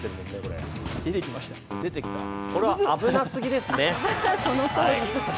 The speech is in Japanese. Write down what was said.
これは危なすぎですね。